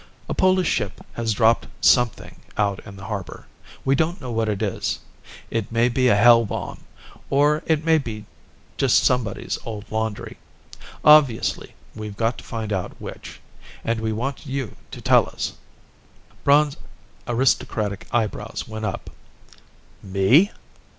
A Polish ship has dropped something out in the harbor. We don't know what it is. It may be a hell bomb, or it may be just somebody's old laundry. Obviously we've got to find out which and we want you to tell us." Braun's aristocratic eyebrows went up. "Me?